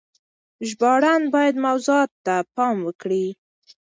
ژباړن بايد موضوع ته پام وکړي.